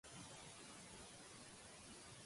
Què es designa amb el nom de Hoodoo?